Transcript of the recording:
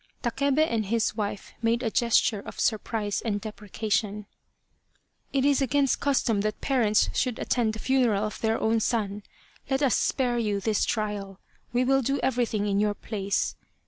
Takebe and his wife made a gesture of surprise and deprecation. '' It is against custom that parents should attend the funeral of their own son. Let us spare you this trial we will do everything in your place